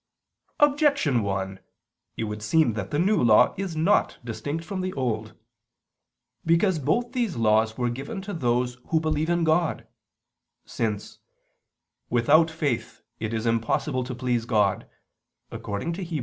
Objection 1: It would seem that the New Law is not distinct from the Old. Because both these laws were given to those who believe in God: since "without faith it is impossible to please God," according to Heb.